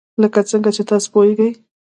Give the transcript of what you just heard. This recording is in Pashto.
لکه څنګه چې تاسو پوهیږئ.